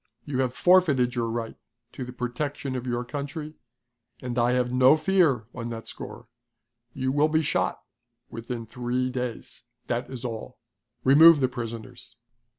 You have forfeited your right to the protection of your country, and I have no fear on that score. You will be shot within three days. That is all. Remove the prisoners."